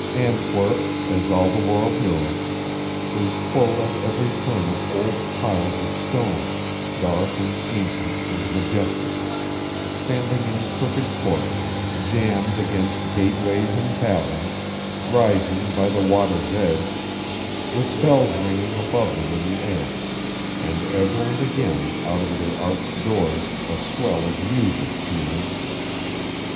Antwerp, as all the world knows, is full at every turn of old piles of stones, dark and ancient and majestic, standing in crooked courts, jammed against gateways and taverns, rising by the water's edge, with bells ringing above them in the air, and ever and again out of their arched doors a swell of music pealing.